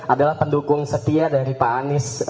adalah pendukung setia dari pak anies